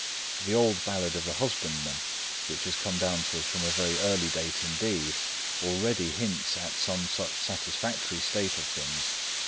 The old ballad of the husbandman, which has come down to us from a very early date indeed, already hints at some such satisfactory state of things.